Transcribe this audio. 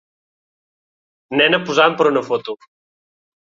nena posant per a una foto